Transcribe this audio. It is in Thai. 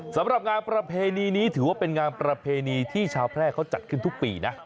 สำหรับงานประเพณีนี้ถือว่าเป็นงานประเพณีที่ชาวแพร่เขาจัดขึ้นทุกปีนะ